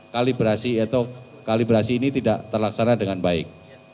kalibrasi atau kalibrasi ini tidak terlaksana dengan baik